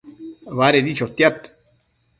Badedi chotiad